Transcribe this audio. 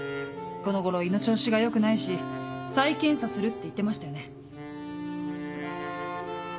この頃胃の調子が良くないし再検査するって言ってましたよね？